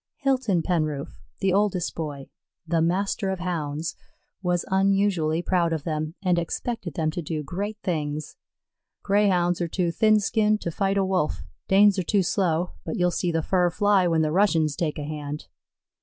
Hilton Penroof, the oldest boy, "The Master of Hounds," was unusually proud of them, and expected them to do great things. "Greyhounds are too thin skinned to fight a Wolf, Danes are too slow, but you'll see the fur fly when the Russians take a hand."